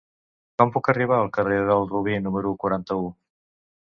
Com puc arribar al carrer del Robí número quaranta-u?